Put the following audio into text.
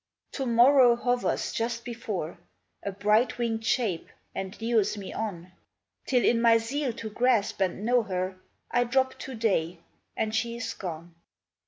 To morrow hovers just before, A bright winged shape, and lures me on, Till in my zeal to grasp and know her, I drop To day, and she is gone.